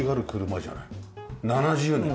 ７０年の。